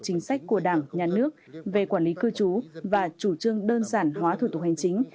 chính sách của đảng nhà nước về quản lý cư trú và chủ trương đơn giản hóa thủ tục hành chính